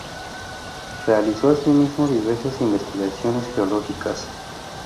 Realizó asimismo diversas investigaciones geológicas.